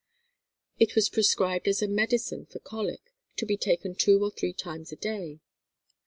It was prescribed as a medicine for colic, to be taken two or three times a day.